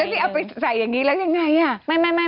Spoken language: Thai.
นี่เอาไปใส่อย่างนี้แล้วยังไง